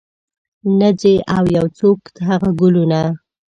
ته ځې او یو څوک هغه ګلونه